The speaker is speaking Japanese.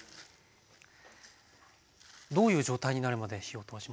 どういう状態になるまで火を通しますか？